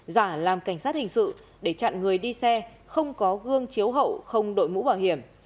giả làm cảnh sát hình sự để chặn người đi xe không có gương chiếu hậu không đội mũ bảo hiểm